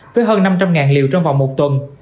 với hơn năm trăm linh liều trong vòng một tuần